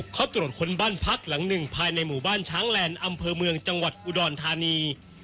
เขาตรวจค้นบ้านพักหลังหนึ่งภายในหมู่บ้านช้างแลนด์อำเภอเมืองจังหวัดอุดรธานี